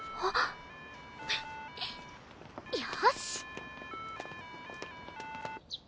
よし！